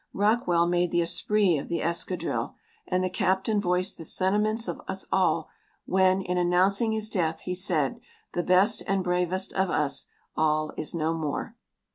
Rockwell made the esprit of the escadrille, and the Captain voiced the sentiments of us all when, in announcing his death, he said: "The best and bravest of us all is no more."